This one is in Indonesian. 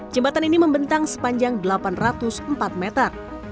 jembatan ini membentang sepanjang delapan ratus empat meter